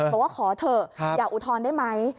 บอกว่าขอเถอะอย่าอุทธรณ์ได้ไหม